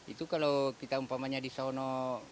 itu kalau kita umpamanya di sono